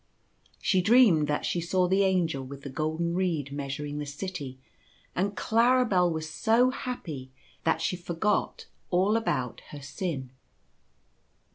She dreamed that she saw the Angel with the golden reed measuring the city, and Claribel was so happy that she forgot all about her sin.